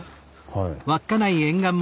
はい。